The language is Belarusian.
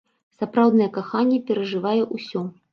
Сапраўднае каханне перажывае ўсё.